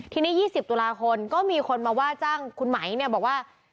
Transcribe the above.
ทีนี้๒๐ตุลาคมก็มีคนมาว่าจ้างคุณไหมเนี่ยบอกว่า